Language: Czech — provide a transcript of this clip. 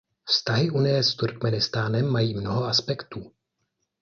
Vztahy Unie s Turkmenistánem mají mnoho aspektů.